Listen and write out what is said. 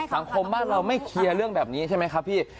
สังคมบ้านเราไม่เคลียร์เรื่องแบบนี้ใช่ไหมครับพี่